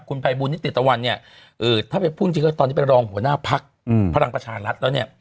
คุพัยบุณิติตะวันเนี่ยถ้าไปพุ่งจีนก็ตอนนี้เป็นรองหัวหน้าภักษ์พระรางประชารัศน์แล้วเนี่ย